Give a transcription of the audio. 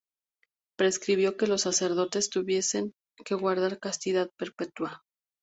Prescribió que los sacerdotes tuviesen que guardar castidad perpetua.